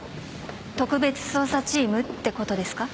特別捜査チームって事ですか？